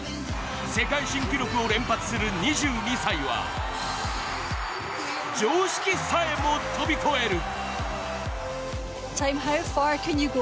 世界新記録を連発する２２歳は常識さえも跳び越える。